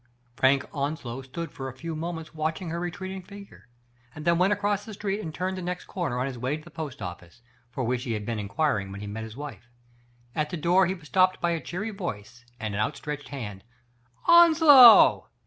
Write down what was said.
Frank Onslow stood for a few moments watch ing her retreating figure, and then went across the street and turned the next corner on his way to the post office, for which he had been inquir ing when he met his wife. At the door he was stopped by a cheery voice and an outstretched hand :" Onslow